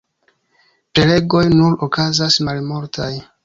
Prelegoj nur okazas malmultaj.